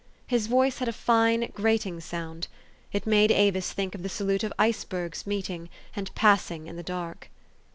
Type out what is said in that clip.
His voice had a fine, grating sound. It made Avis think of the salute of icebergs meeting and passing in the dark.